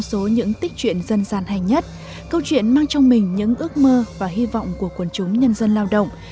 trong số những tích truyện dân gian hay nhất câu chuyện mang trong mình những ước mơ và hy vọng của quần chúng nhân dân lao động